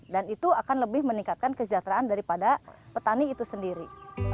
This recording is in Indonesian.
dan itu akan lebih meningkatkan kesejahteraan daripada petani itu sendiri